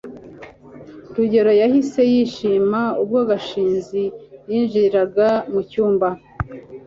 rugeyo yahise yishima ubwo gashinzi yinjiraga mucyumba